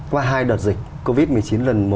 qua hai đợt dịch covid một mươi chín lần một